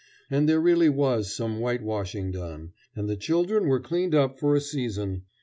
And there really was some whitewashing done, and the children were cleaned up for a season.